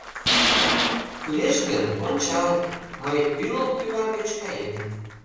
— Кӱлеш гын, ончал, мый ӱлыл кӱвар гоч каем.